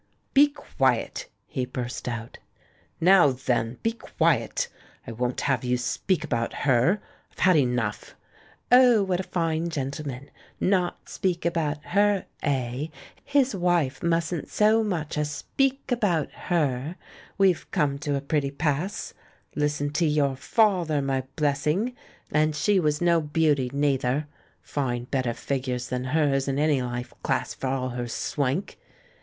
"Be quiet!" he burst out. "Now, then, be quiet! I won't have you speak about her. I've had enough!" "Oh, what a fine gentleman! Not speak about her, eh? His wife mustn't so much as speak about her! We've come to a pretty pass! Listen to your father, my Blessing! And she was no THE BACK OF BOHEMIA 311 beauty, neither. Find better figures than hers in any Hfe class, for all her swank.